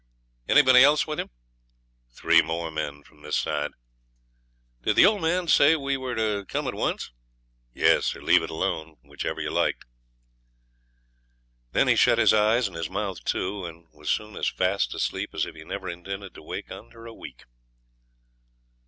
'Anybody else with him?' 'Three more men from this side.' 'Did the old man say we were to come at once?' 'Yes, or leave it alone which you liked.' Then he shut his eyes, and his mouth too, and was soon as fast asleep as if he never intended to wake under a week.